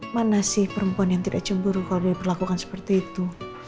mana sih perempuan yang tidak cemburu kalau diperlakukan seperti itu